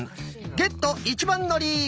ゲット一番乗り！